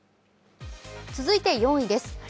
続いて４位です。